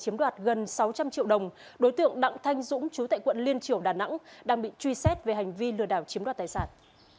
chiếm đoạt gần sáu trăm linh triệu đồng đối tượng đặng thanh dũng chú tại quận liên triểu đà nẵng đang bị truy xét về hành vi lừa đảo chiếm đoạt tài sản